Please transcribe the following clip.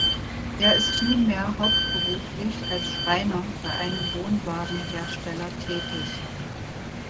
Er ist nunmehr hauptberuflich als Schreiner bei einem Wohnwagen-Hersteller tätig.